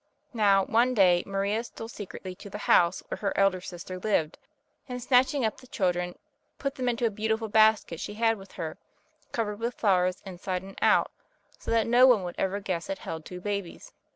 Now one day Maria stole secretly to the house where her elder sister lived, and snatching up the children put them into a beautiful basket she had with her, covered with flowers inside and out, so that no one would ever guess it held two babies.